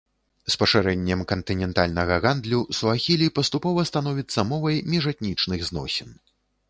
З пашырэннем кантынентальнага гандлю суахілі паступова становіцца мовай міжэтнічных зносін.